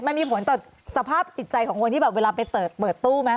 มันมีผลต่อสภาพจิตใจของคนที่แบบเวลาไปเปิดตู้ไหม